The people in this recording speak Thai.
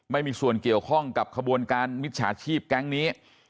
ไม่มีส่วนเกี่ยวข้องกับขบวนการมิจฉาชีพแก๊งนี้